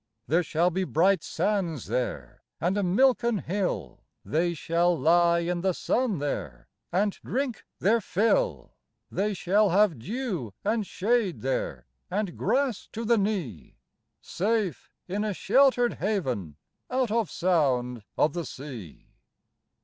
There shall be bright sands there and a milken hill, They shall lie in the sun there and drink their fill, They shall have dew and shade there and grass to the knee, Safe in a sheltered haven out of sound of the sea.